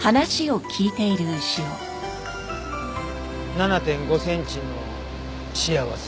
７．５センチの倖せ。